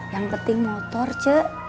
yang penting motor c